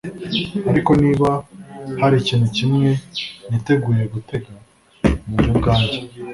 ariko niba hari ikintu kimwe niteguye gutega, ni njye ubwanjye.”